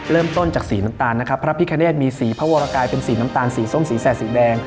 เริ่มต้นจากสีน้ำตาลนะครับพระพิคเนธมีสีพระวรกายเป็นสีน้ำตาลสีส้มสีแสดสีแดง